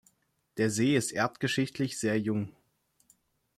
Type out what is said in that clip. Der See ist erdgeschichtlich sehr jung.